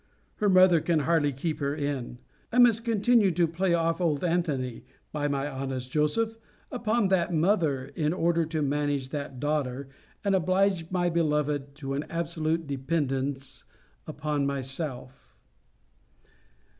Her mother can hardly keep her in. I must continue to play off old Antony, by my honest Joseph, upon that mother, in order to manage that daughter, and oblige my beloved to an absolute dependence upon myself.